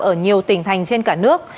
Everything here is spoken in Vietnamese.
ở nhiều tỉnh thành trên cả nước